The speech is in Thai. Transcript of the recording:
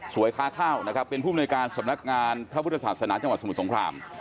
ค้าข้าวนะครับเป็นผู้มนุยการสำนักงานพระพุทธศาสนาจังหวัดสมุทรสงคราม